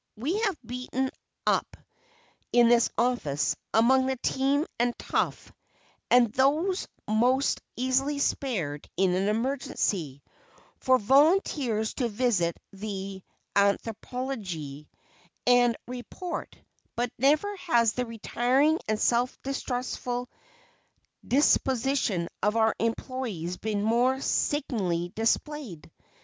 We have beaten up, in this office, among the lean and tough, and those most easily spared in an emergency, for volunteers to visit the Anthropophagi, and report; but never has the retiring and self distrustful disposition of our employees been more signally displayed.